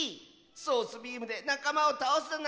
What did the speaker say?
ソースビームでなかまをたおすだなんて！